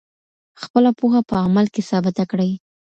خپله پوهه په عمل کي ثابته کړئ.